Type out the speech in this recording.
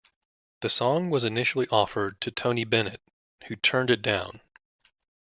The song was initially offered to Tony Bennett, who turned it down.